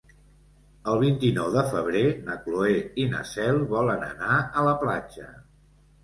El vint-i-nou de febrer na Cloè i na Cel volen anar a la platja.